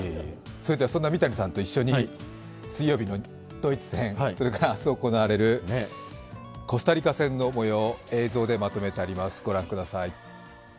そんな三谷さんと一緒に水曜日のドイツ戦、それから明日行われるコスタリカ戦のもようを映像でまとめてあります。